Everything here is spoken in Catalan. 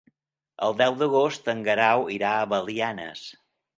El deu d'agost en Guerau irà a Belianes.